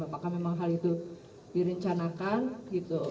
apakah memang hal itu direncanakan gitu